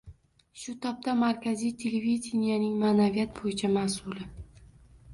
shu topda Markaziy televideniyening Ma’naviyat bo‘yicha mas’uli.